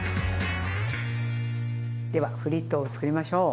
ではフリットをつくりましょう。